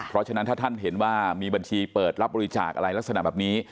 เพราะฉะนั้นถ้าท่านเห็นว่ามีบัญชีเปิดรับบริจาคอะไรลักษณะแบบนี้